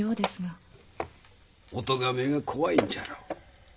お咎めが怖いんじゃろう。